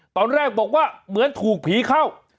ตอนแรกบอกว่าเหมือนถูกผีเข้า